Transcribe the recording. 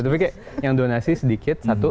tapi kayak yang donasi sedikit satu